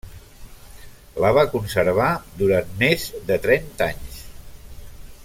La va conservar durant més de trenta anys.